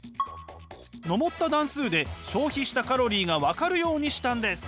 上った段数で消費したカロリーが分かるようにしたんです。